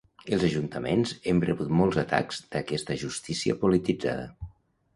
Els ajuntaments hem rebut molts atacs d’aquesta justícia polititzada.